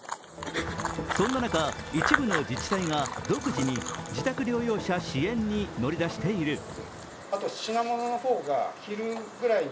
そんな中、一部の自治体が独自に自宅療養者支援に乗り出している。